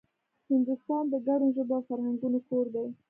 هندوستان د ګڼو ژبو او فرهنګونو کور دی